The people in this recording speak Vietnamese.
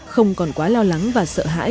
không còn quá lo lắng và sợ hãi